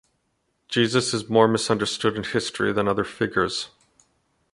Jesus is more misunderstood in history than other figures